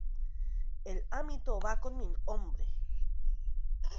el amito va con mi hombre.